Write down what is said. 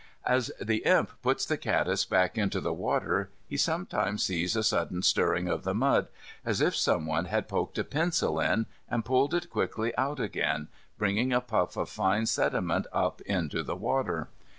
As the Imp puts the caddis back into the water he sometimes sees a sudden stirring of the mud, as if someone had poked a pencil in and pulled it quickly out again, bringing a puff of fine sediment up into the water.